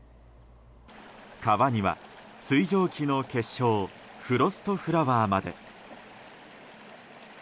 川には、水蒸気の結晶フロストフラワーまで。